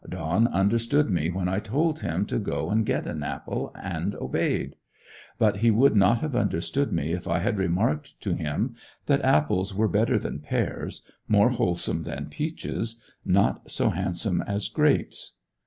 Don understood me when I told him to go and get an apple, and obeyed; but he would not have understood me if I had remarked to him that apples were better than pears, more wholesome than peaches, not so handsome as grapes.